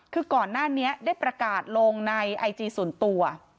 คือก่อนหน้านี้ได้ประกาศลงในไอจีส่วนตัว